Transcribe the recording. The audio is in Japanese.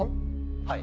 はい。